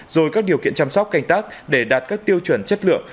rồi các điều kiện chăm sóc canh tác để đạt các tiêu chuẩn chất lượng